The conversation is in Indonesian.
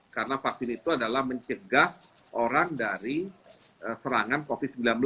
karena vaksin itu adalah mencegah orang dari serangan covid sembilan belas